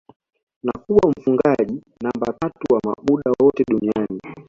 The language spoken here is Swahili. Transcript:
na kuwa mfungaji namba tatu wa muda wote duniani